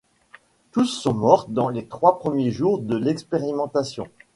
Tous sont morts dans les trois premiers jours de l'expérimentation.